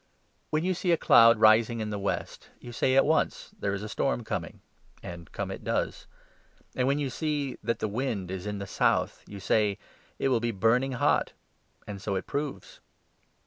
" When you see a cloud rising in the west, you say at once ' There is a storm coming,' and come it does. And 55 when you see that the wind is in the south, you say ' It will be burning hot, 'and so it proves.